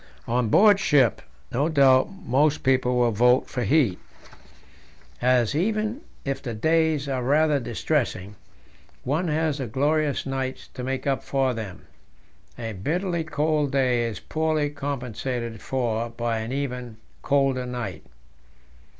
On board ship no doubt most people will vote for heat, as, even if the days are rather distressing, one has the glorious nights to make up for them. A bitterly cold day is poorly compensated for by an even colder night.